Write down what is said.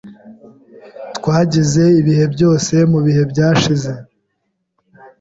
Twagize ibihe byose mubihe byashize.